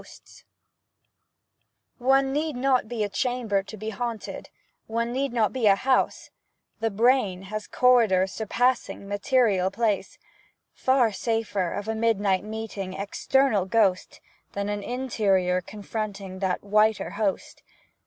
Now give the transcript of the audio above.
l x i x • VJ'NE need not be a chamber to be haunted, One need not be a house ; The brain has corridors surpassing Material place, 189 J Far safer, of a midnight meeting External ghost, Than an interior confronting That whiter host.